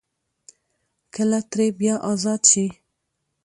کله ترې بيا ازاد شي ـ